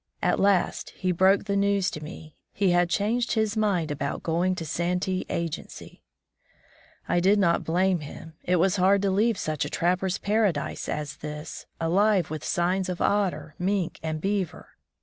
At last he broke the news to me — he had changed his mind about going to Santee agency ! I did not blame him — it was hard to leave such a trapper's paradise as this, alive with signs of otter, mink, and beaver.